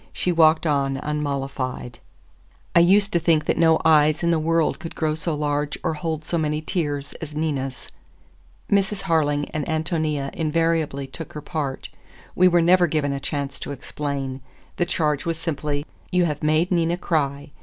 She walked on unmollified. I used to think that no eyes in the world could grow so large or hold so many tears as Nina's. Mrs. Harling and Ántonia invariably took her part. We were never given a chance to explain. The charge was simply: "You have made Nina cry.